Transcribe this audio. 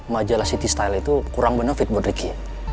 majalah city style itu kurang bener fit buat ricky